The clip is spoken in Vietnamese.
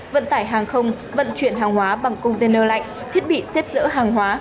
vận tải hàng không vận chuyển hàng hóa bằng container lạnh thiết bị xếp dỡ hàng hóa